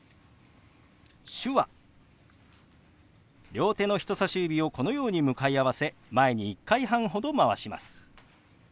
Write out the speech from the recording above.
両手の人さし指をこのように向かい合わせ前に１回半ほどまわします。